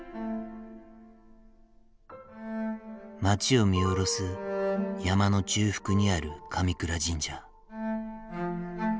町を見下ろす山の中腹にある神倉神社。